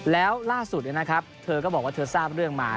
แล้วล่าสุดนะครับเธอก็บอกว่าเธอทราบเรื่องมา